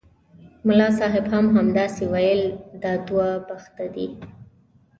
ملا صاحب هم همداسې ویل دا دوه بخته دي.